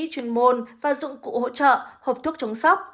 chuyên môn và dụng cụ hỗ trợ hộp thuốc chống sóc